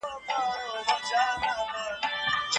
زدهکوونکي د ښوونځي څخه د نظم، رښتینولۍ او درناوي مفاهیم زده کوي.